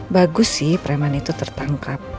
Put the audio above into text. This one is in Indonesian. bagus sih preman itu tertangkap